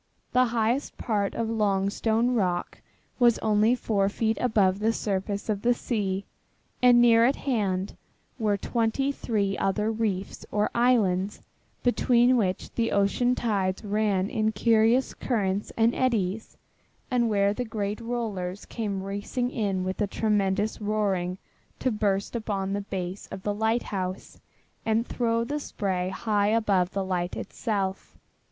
The highest part of Longstone Rock was only four feet above the surface of the sea, and near at hand were twenty three other reefs or islands, between which the ocean tides ran in curious currents and eddys, and where the great rollers came racing in with a tremendous roaring to burst upon the base of the lighthouse and throw the spray high above the light itself.